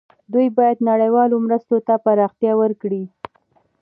دوی باید نړیوالو مرستو ته پراختیا ورکړي.